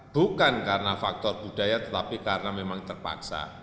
bukan karena faktor budaya tetapi karena memang terpaksa